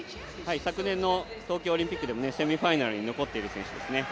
昨年の東京オリンピックでもセミファイナルに残っている選手ですね。